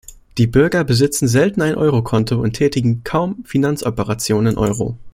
Die Bürger besitzen selten ein Euro-Konto und tätigen kaum Finanzoperationen in Euro.